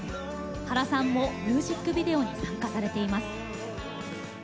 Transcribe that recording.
原さんもミュージックビデオに参加されています。